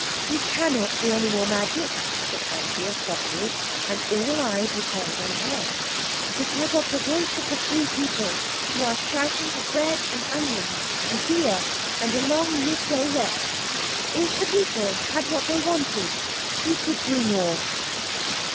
"He cannot do any more magic," said Anthea suddenly, and all eyes were turned on her, "because of the voice of the free people who are shouting for bread and onions and beer and a long mid day rest. If the people had what they wanted, he could do more."